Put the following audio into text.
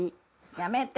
やめて。